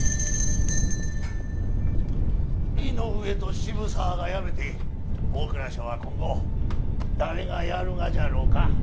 井上と渋沢が辞めて大蔵省は今後誰がやるがじゃろか？